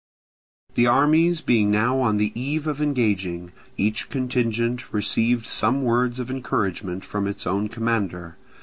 The armies being now on the eve of engaging, each contingent received some words of encouragement from its own commander.